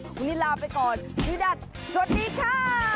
วันนี้ลาไปก่อนพี่ดัทสวัสดีค่ะ